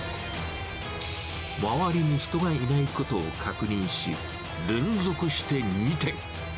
周りに人がいないことを確認し、連続して２点。